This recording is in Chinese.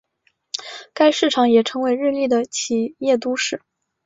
该市场也成为日立的的企业都市。